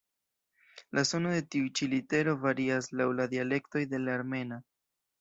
La sono de tiu ĉi litero varias laŭ la dialektoj de la armena.